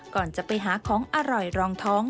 ก่อนจะไปหาของอร่อยรองท้อง